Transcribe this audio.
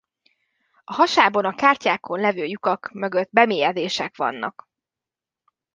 A hasábon a kártyákon levő lyukak mögött bemélyedések vannak.